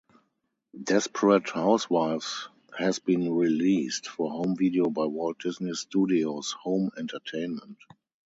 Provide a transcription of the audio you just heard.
"Desperate Housewives" has been released for home video by Walt Disney Studios Home Entertainment.